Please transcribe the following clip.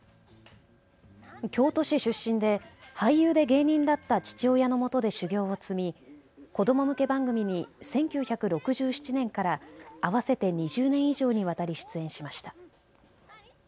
京都市出身で俳優で芸人だった父親のもとで修行を積み子ども向け番組に１９６７年から合わせて２０年以上にわたり出演しました。